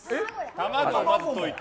卵をまずといて。